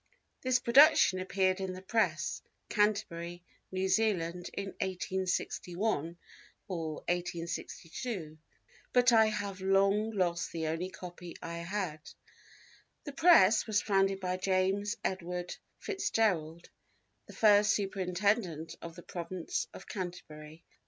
This production appeared in the Press, Canterbury, New Zealand, in 1861 or 1862, but I have long lost the only copy I had." The Press was founded by James Edward FitzGerald, the first Superintendent of the Province of Canterbury.